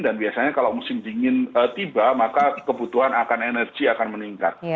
dan biasanya kalau musim dingin tiba maka kebutuhan akan energi akan meningkat